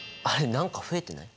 何か増えてない？